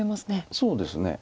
そうですね。